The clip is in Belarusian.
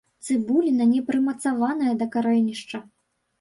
Цыбуліна не прымацаваная да карэнішча.